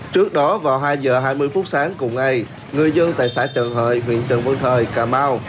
trước đó vào hai h hai mươi phút sáng cùng ngày người dân tại xã trần hợi huyện trần văn thời cà mau